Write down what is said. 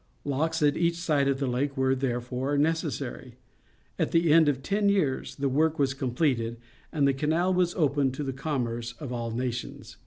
Locks at each side of the lake were, therefore, necessary. At the end of ten j'ears the work was com pleted, and the canal was opened to the commerce of all nations.